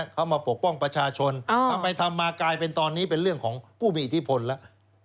เขามาปกป้องประชาชนทำไปทำมากลายเป็นตอนนี้เป็นเรื่องของผู้มีอิทธิพลแล้ว